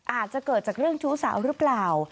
อาจจะเกิดจากเรื่องชู้สาวหรือเปล่า